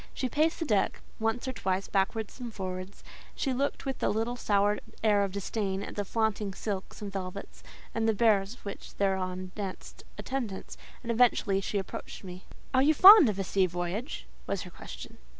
She paced the deck once or twice backwards and forwards; she looked with a little sour air of disdain at the flaunting silks and velvets, and the bears which thereon danced attendance, and eventually she approached me and spoke. "Are you fond of a sea voyage?" was her question.